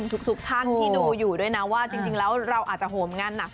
ทุกท่านที่ดูอยู่ด้วยนะว่าจริงแล้วเราอาจจะโหมงานหนัก